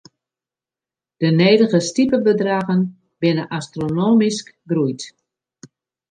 De nedige stipebedraggen binne astronomysk groeid.